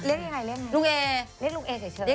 เรียกยังไงเรียกยังไง